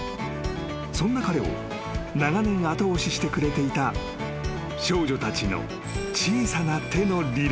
［そんな彼を長年後押ししてくれていた少女たちの］